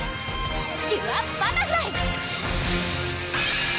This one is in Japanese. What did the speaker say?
キュアバタフライ！